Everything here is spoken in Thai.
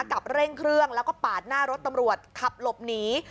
กับเร่งเครื่องแล้วก็ปาดหน้ารถตำรวจขับหลบหนี